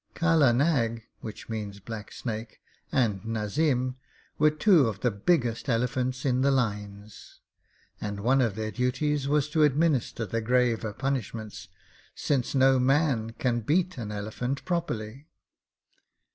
Kala Nag which means Black Snake and Nazim were two of the biggest elephants in the lines, and one of their duties was to administer the graver punishments, since no man can beat an elephant properly.